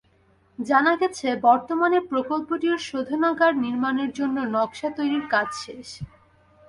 জানা গেছে, বর্তমানে প্রকল্পটির শোধনাগার নির্মাণের জন্য নকশা তৈরির কাজ শেষ।